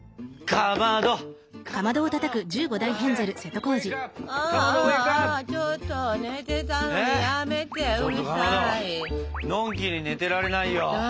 かまどのんきに寝てられないよ。